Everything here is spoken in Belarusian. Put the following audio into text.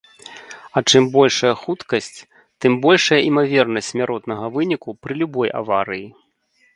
А чым большая хуткасць, тым большая імавернасць смяротнага выніку пры любой аварыі.